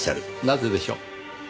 なぜでしょう？